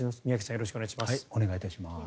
よろしくお願いします。